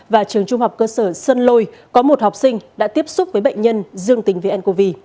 và trường trung học cơ sở sơn lôi có một học sinh đã tiếp xúc với bệnh nhân dương tính với ncov